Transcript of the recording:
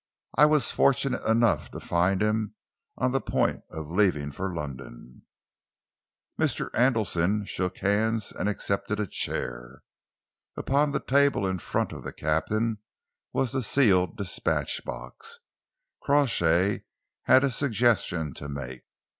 I was fortunate enough to find him on the point of leaving for London." Mr. Andelsen shook hands and accepted a chair. Upon the table in front of the captain was the sealed dispatch box. Crawshay had a suggestion to make.